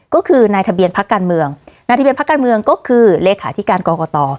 ก็คือนายทะเบียนพักการเมืองนายทะเบียนพักการเมืองก็คือเลขาธิการกรกต